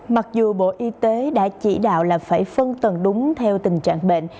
mặc dù bộ y tế đã chỉ đạo là phải phân tầng đúng theo tình trạng bệnh